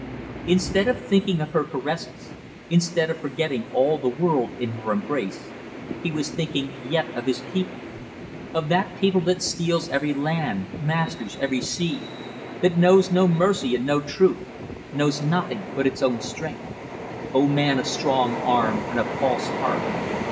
Instead of thinking of her caresses, instead of forgetting all the world in her embrace, he was thinking yet of his people; of that people that steals every land, masters every sea, that knows no mercy and no truth knows nothing but its own strength. O man of strong arm and of false heart!